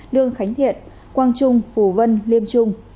đương khánh thiện quang trung phù vân liêm trung